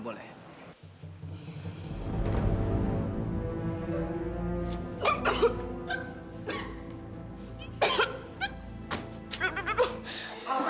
boleh boleh boleh